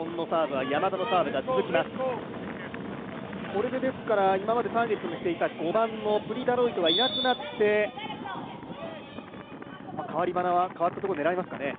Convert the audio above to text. これで今までターゲットにしていた５番のプリ・ダロイトがいなくなって、代わったところを狙いますかね。